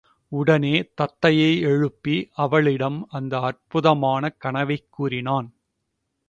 உடனே தத்தையை எழுப்பி அவளிடம் இந்த அற்புதமான கனவைக் கூறினான்.